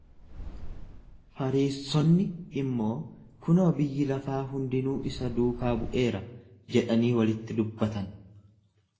Fariissonni immoo, Kunoo, biyyi lafaa hundinuu isa duukaa bu’eera jedhanii walitti dubbatan.